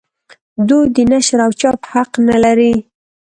دوی د نشر او چاپ حق نه لري.